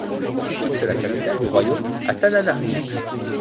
Il fixe la capitale du royaume à Tananarive.